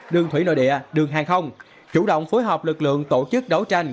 đường thủy nội địa đường hàng không chủ động phối hợp lực lượng tổ chức đấu tranh